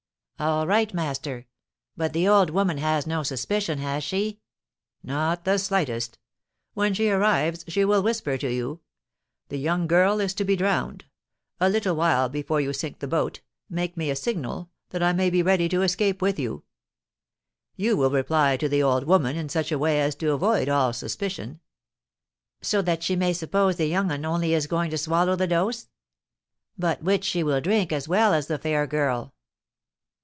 'All right, master; but the old woman has no suspicion, has she?' 'Not the slightest. When she arrives, she will whisper to you: "The young girl is to be drowned; a little while before you sink the boat, make me a signal, that I may be ready to escape with you." You will reply to the old woman in such a way as to avoid all suspicion.' 'So that she may suppose the young 'un only is going to swallow the dose?' 'But which she will drink as well as the fair girl.'